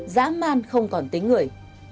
giã man không còn tính người